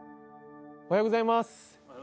おはようございます。